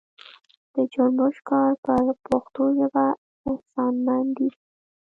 د جنبش کار پر پښتو ژبه احسانمندي ده.